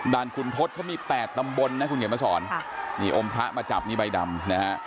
ด่านขุนทศก็มี๘ตำบลคุณเห็นพระสรนี่อมพระมาจับใบดำ